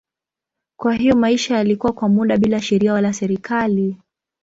Kwa hiyo maisha yalikuwa kwa muda bila sheria wala serikali.